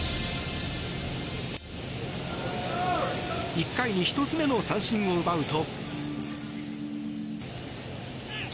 １回に１つ目の三振を奪うと。